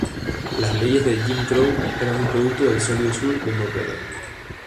Las leyes de Jim Crow eran un producto del "Sólido Sur" demócrata.